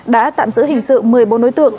đã tạm giữ hình sự một mươi bốn đối tượng